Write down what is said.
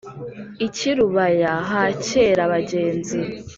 i cyirubaya ha cyera-bagenzi.